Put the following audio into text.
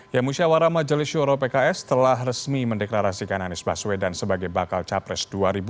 ya musyawara majelis yoro pks telah resmi mendeklarasikan anis baswedan sebagai bakal capres dua ribu dua puluh empat